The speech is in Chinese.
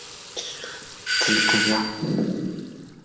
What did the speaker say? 咨询专家